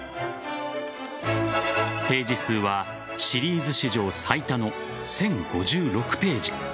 ページ数はシリーズ史上最多の１０５６ページ。